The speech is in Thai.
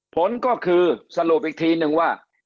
ผลก็คือสรุปอีกทีนึงว่า